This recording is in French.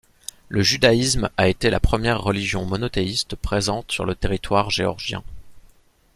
Le judaïsme a été la première religion monothéiste présente sur le territoire géorgien.